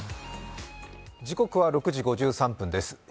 時刻は６時５３分です。